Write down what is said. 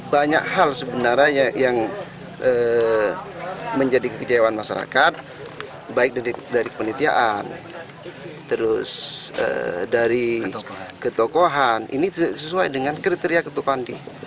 banyak hal sebenarnya yang menjadi kejayaan masyarakat baik dari kepenitiaan terus dari ketokohan ini sesuai dengan kriteria ketokohandi